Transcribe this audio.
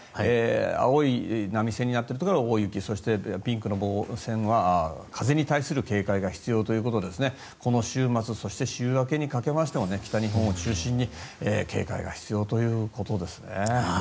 青い波線になっているところが大雪そして、ピンクの棒線は風に対する警戒が必要ということでこの週末そして週明けにかけましても北日本を中心に警戒が必要ということですね。